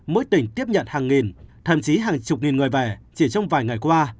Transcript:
mỗi tỉnh tiếp nhận hàng nghìn thậm chí hàng chục nghìn người về chỉ trong vài ngày qua